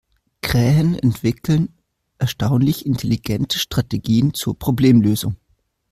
Krähen entwickeln erstaunlich intelligente Strategien zur Problemlösung.